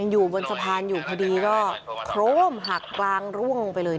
อยู่บนสะพานอยู่พอดีก็โครมหักกลางร่วงลงไปเลย